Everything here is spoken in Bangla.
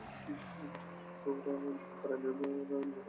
আমাকে সুখ ওরা দিতে পারে না আমি এমনি করেই তৈরি।